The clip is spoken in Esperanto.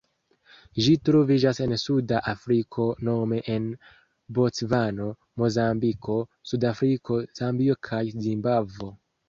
Ĝi troviĝas en Suda Afriko nome en Bocvano, Mozambiko, Sudafriko, Zambio kaj Zimbabvo.